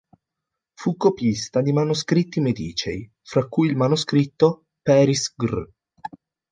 Fu copista di manoscritti medicei, fra cui il manoscritto "Paris gr.